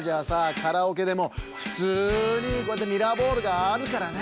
カラオケでもふつうにこうやってミラーボールがあるからね。